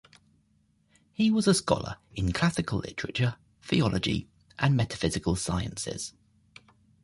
He was a scholar in Classical Literature, Theology and Metaphysical sciences.